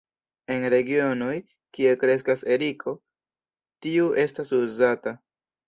En regionoj, kie kreskas eriko, tiu estas uzata.